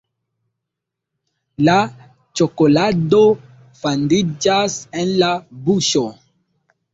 La ĉokolado fandiĝas en la buŝo.